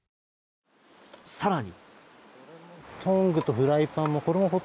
更に。